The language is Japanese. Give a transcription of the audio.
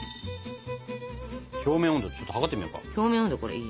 表面温度ちょっと測ってみようか。